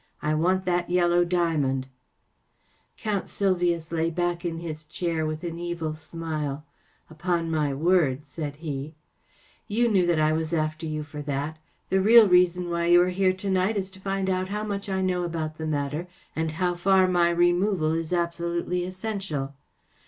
I want that yellow diamond ! ‚ÄĚ Count Sylvius lay back in his chair with an evil smile. 44 Upon my word ! ‚ÄĚ said he. 44 You knew that I was after you for that. The real reason why you are here to night is to find out how much I know about the matter and how far my removal is absolutely essential.